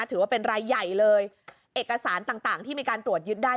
ถือว่าเป็นรายใหญ่เลยเอกสารต่างต่างที่มีการตรวจยึดได้